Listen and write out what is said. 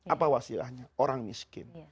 apa wasilahnya orang miskin